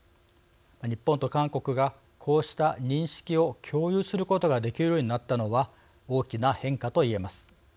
日本と韓国がこうした認識を共有することができるようになったのは大きな変化と言えます。